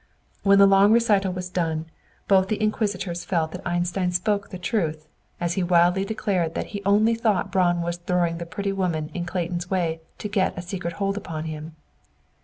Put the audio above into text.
When the long recital was done, both the inquisitors felt that Einstein spoke the truth, as he wildly declared that he only thought Braun was throwing a pretty woman in Clayton's way to get a secret hold upon him.